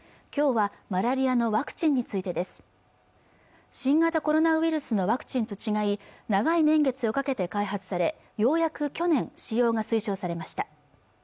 今日はマラリアのワクチンについてです新型コロナウイルスのワクチンと違い長い年月をかけて開発されようやく去年使用が推奨されました